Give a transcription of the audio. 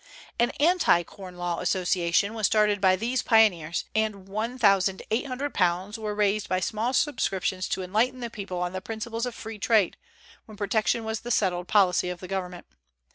An Anti Corn Law Association was started by these pioneers, and £1,800 were raised by small subscriptions to enlighten the people on the principles of free trade, when protection was the settled policy of the government.